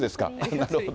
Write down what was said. なるほど。